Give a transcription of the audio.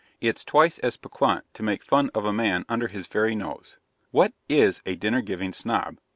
It's twice as PIQUANT to make fun of a man under his very nose. 'What IS a Dinner giving Snob?'